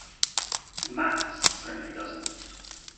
"Max" certainly doesn't.